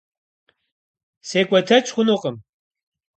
Секӏуэтэкӏ хъунукъым.